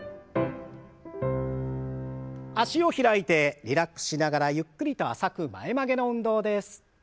脚を開いてリラックスしながらゆっくりと浅く前曲げの運動です。